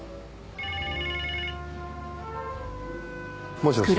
もしもし。